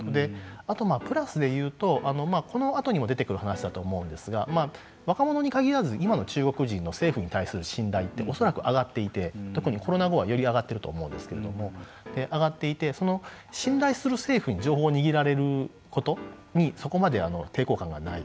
あと、プラスで言うとこのあとにも出てくる話だと思うんですが若者に限らず今の中国人の政府に対する信頼って恐らく上がっていて特にコロナ後はより上がっていると思うんですけれども上がっていて信頼する政府に情報を握られることにそこまで抵抗感がない。